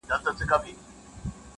د کلو خمار وهلي تشوي به پیالې خپلي -